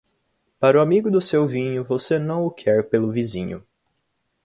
Para o amigo do seu vinho você não o quer pelo vizinho.